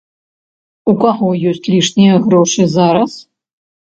У каго ёсць лішнія грошы зараз?